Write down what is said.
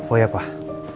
oh ya pak